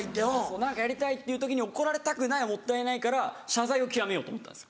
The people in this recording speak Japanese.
何かやりたいっていう時に怒られたくないはもったいないから謝罪を極めようと思ったんですよ。